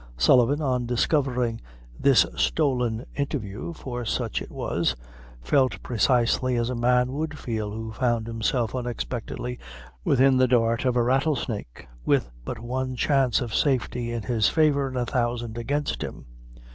Sullivan, on discovering this stolen interview for such it was felt precisely as a man would feel, who found himself unexpectedly within the dart of a rattlesnake, with but one chance of safety in his favor and a thousand against him.